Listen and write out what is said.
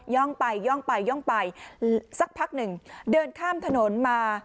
่องไปย่องไปย่องไปสักพักหนึ่งเดินข้ามถนนมา